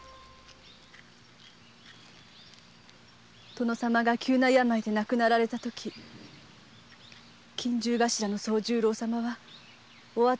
殿様が急な病で亡くなられたとき近習頭の惣十郎様はお後を追うつもりでした。